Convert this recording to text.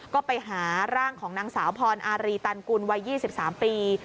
ก็ไปหาร่างของนางสาวพรอารีตันกุลวัย๒๓ปี